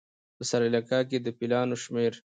په سریلانکا کې د فیلانو شمېر